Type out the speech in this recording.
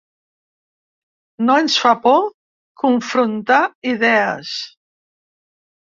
No ens fa por confrontar idees.